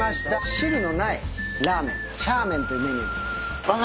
汁のないラーメンチャーメンというメニューです。